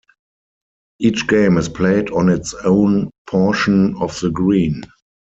Each game is played on its own portion of the green.